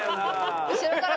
後ろから。